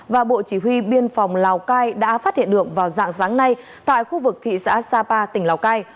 và bộ chỉ huy biên phòng lào cai đã phát hiện được vào dạng sáng nay tại khu vực thị xã sapa tỉnh lào cai